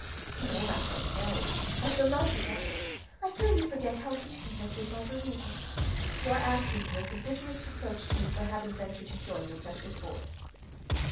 "No, my friend, no; I shall not do that. I fear you forget how recent has been my bereavement. Your asking me is the bitterest reproach to me for having ventured to join your festive board."